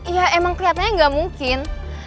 ya emang keliatannya gak mungkin